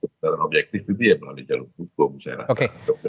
secara objektif itu dia melalui jalur hukum saya rasa